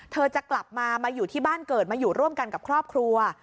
จะกลับมามาอยู่ที่บ้านเกิดมาอยู่ร่วมกันกับครอบครัว